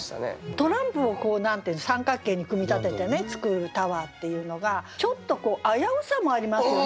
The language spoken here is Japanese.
トランプを三角形に組み立てて作るタワーっていうのがちょっとこう危うさもありますよね。